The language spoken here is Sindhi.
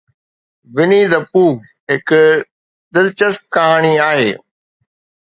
Winnie the Pooh هڪ دلچسپ ڪهاڻي آهي.